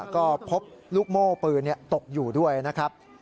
ก็พบลูกโม่ปืนตกอยู่ด้วยนะครับ